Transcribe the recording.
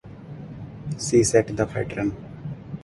She set the pattern.